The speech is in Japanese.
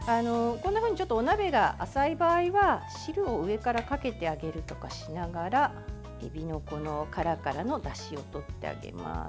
こんなふうにお鍋が浅い場合は汁を上からかけてあげるとかしながらエビの殻からのだしをとってあげます。